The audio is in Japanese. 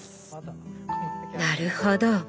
なるほど。